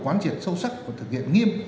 quán triển sâu sắc và thực hiện nghiêm